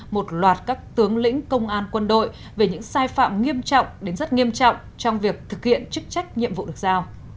một loạt các tướng lĩnh công an quân đội về những sai phạm nghiêm trọng đến rất nghiêm trọng trong việc thực hiện chức trách nhiệm vụ được giao